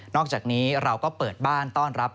อกจากนี้เราก็เปิดบ้านต้อนรับ